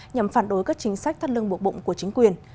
nhằm phản đối các chính sách thắt lưng bộ bụng của chính quyền